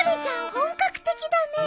本格的だね。